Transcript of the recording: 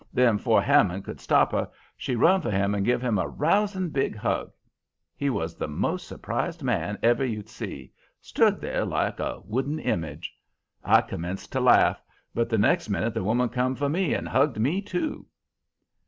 Then, 'fore Hammond could stop her, she run for him and give him a rousing big hug. He was the most surprised man ever you see, stood there like a wooden image. I commenced to laff, but the next minute the woman come for me and hugged me, too.